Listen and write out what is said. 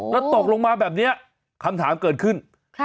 แล้วตกลงมาแบบนี้คำถามเกิดขึ้น